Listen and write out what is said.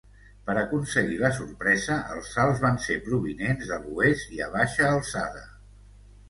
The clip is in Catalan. Per aconseguir la sorpresa, els salts van ser provinents de l'oest i a baixa alçada.